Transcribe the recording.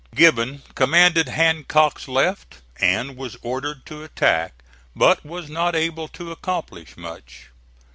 Gibbon commanded Hancock's left, and was ordered to attack, but was not able to accomplish much.